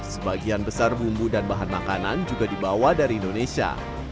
sebagian besar bumbu dan bahan makanan juga dibawa dari indonesia